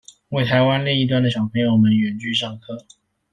為臺灣另一端的小朋友們遠距上課